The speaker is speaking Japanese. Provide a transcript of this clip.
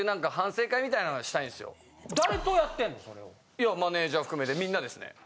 いやマネジャー含めてみんなですね。